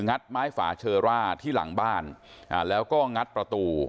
ัดไม้ฝาเชอร่าที่หลังบ้านแล้วก็งัดประตู